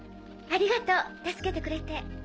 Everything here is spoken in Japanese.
ありがとう助けてくれて。